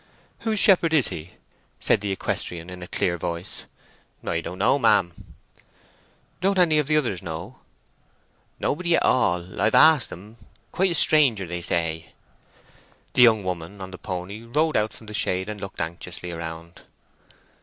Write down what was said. "Whose shepherd is he?" said the equestrian in a clear voice. "Don't know, ma'am." "Don't any of the others know?" "Nobody at all—I've asked 'em. Quite a stranger, they say." The young woman on the pony rode out from the shade and looked anxiously around.